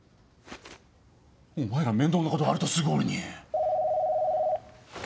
お前ら面倒なことがあるとすぐ俺に。